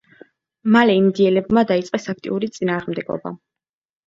მალე ინდიელებმა დაიწყეს აქტიური წინააღმდეგობა.